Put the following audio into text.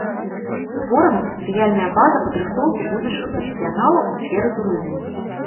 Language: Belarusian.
Створана спецыяльная база падрыхтоўкі будучых прафесіяналаў у сферы турызму.